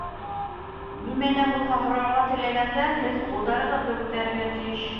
Нимә лә булһа һорарға теләгәндә, һеҙ ҡулдарығыҙҙы күтәрергә тейеш